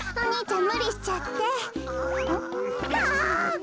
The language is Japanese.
ん？